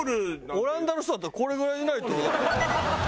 オランダの人だったらこれぐらいないと。